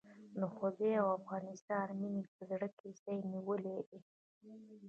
د خدای او افغانستان مينې په زړه کې ځای نيولی دی.